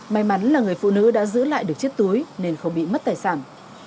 may mắn là người phụ nữ đã giữ lại được chiếc túi nên không bị mất tài sản